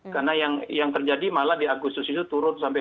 karena yang terjadi malah di agustus itu turun sampai dua ribu tiga puluh